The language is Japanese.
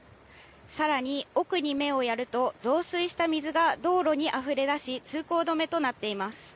さらに奥に目をやると、増水した水が道路にあふれ出し、通行止めとなっています。